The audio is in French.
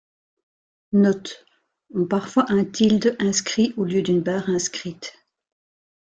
Note : ont parfois un tilde inscrit au lieu d’une barre inscrite.